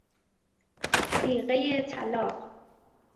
صیغه طلاق